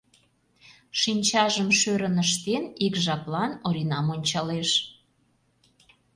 Шинчажым шӧрын ыштен, ик жаплан Оринам ончалеш.